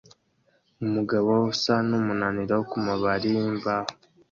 Umugabo usa numunaniro kumabari yimbaho